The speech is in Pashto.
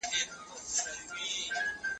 ژوند د قران په حکم خوندي دی.